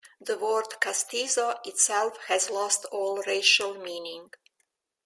The word "castizo" itself has lost all racial meaning.